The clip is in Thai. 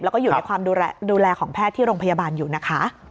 แล้วก็อยู่ในความดูแลของแพทย์ที่โรงพยาบาลอยู่นะคะ